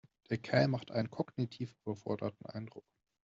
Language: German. Der Kerl macht einen kognitiv überforderten Eindruck.